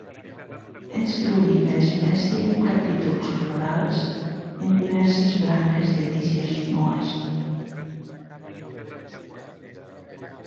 És l'única espècie amb capítols florals en diverses branques de tiges nues.